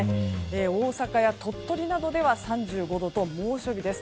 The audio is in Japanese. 大阪や鳥取などでは３５度と猛暑日です。